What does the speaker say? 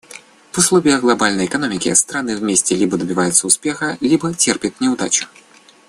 В условиях глобальной экономики страны вместе либо добиваются успеха, либо терпят неудачу.